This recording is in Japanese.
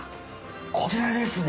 こちらですね。